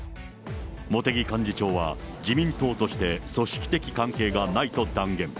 茂木幹事長は、自民党として、組織的関係がないと断言。